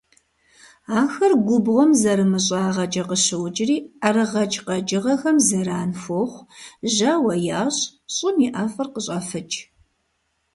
Ахэр губгъуэм зэрымыщӀагъэкӀэ къыщокӀри ӀэрыгъэкӀ къэкӀыгъэхэм зэран хуохъу, жьауэ ящӀ, щӀым и ӀэфӀыр къыщӀафыкӀ.